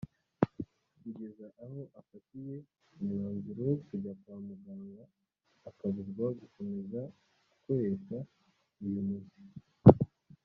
kugeza aho afatiye umwanzuro wo kujya kwa muganga akabuzwa gukomeza gukoresha uyu muti